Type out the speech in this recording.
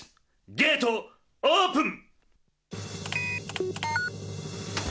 ゲートオープン！